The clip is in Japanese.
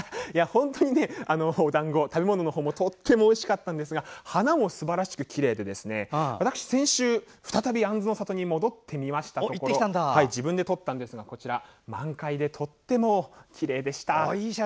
本当にだんご、食べ物のほうもとてもおいしかったんですが花もすばらしくきれいで私、先週再びあんずの里に戻ってみましたところ自分で撮ったんですが満開でとてもきれいでした。